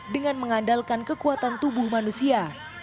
dengan mengandalkan kekuatan tubuh manusia